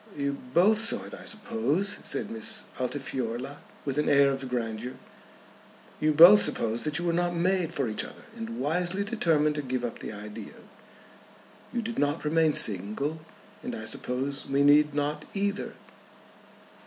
"You both saw it, I suppose?" said Miss Altifiorla, with an air of grandeur. "You both supposed that you were not made for each other, and wisely determined to give up the idea. You did not remain single, and I suppose we need not either."